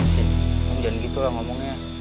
cin jangan gitu lah ngomongnya